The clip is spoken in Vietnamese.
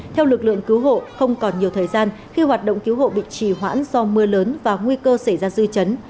theo lực lượng cứu hộ không còn nhiều thời gian khi hoạt động cứu hộ bị trì hoãn do mưa lớn và nguy cơ xảy ra dư chấn